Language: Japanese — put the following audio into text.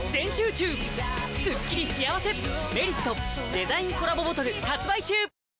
デザインコラボボトル発売中！